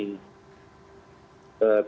tetap itu ranahnya pak